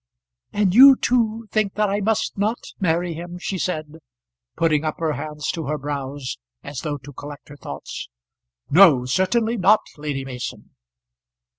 "And you too think that I must not marry him?" she said, putting up her hands to her brows as though to collect her thoughts. "No; certainly not, Lady Mason."